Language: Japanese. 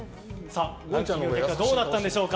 ランキングの結果どうなったんでしょうか。